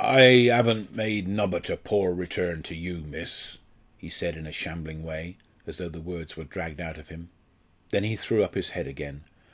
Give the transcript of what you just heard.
"I haven't made nobbut a poor return to you, miss," he said in a shambling way, as though the words were dragged out of him. Then he threw up his head again.